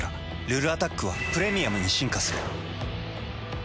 「ルルアタック」は「プレミアム」に進化する。